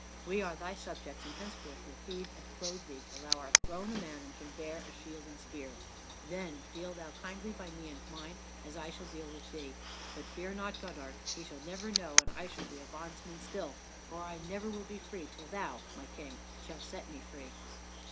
We are thy subjects and henceforth will feed and clothe thee till thou art grown a man and can bear shield and spear. Then deal thou kindly by me and mine, as I shall deal with thee. But fear not Godard. He shall never know, and I shall be a bondsman still, for I will never be free till thou, my King, shall set me free."